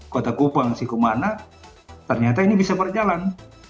kota kupang sikumana ternyata ini bisa berjalan